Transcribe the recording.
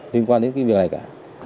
liên quan đến cái việc này cả